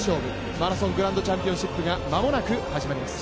マラソングランドチャンピオンシップが間もなく、始まります。